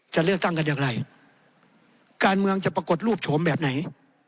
จะเลือกตั้งกันอย่างไรการเมืองจะปรากฏรูปโฉมแบบไหน